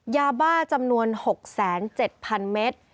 ยาบ้าจำนวน๖๗๐๐เมตร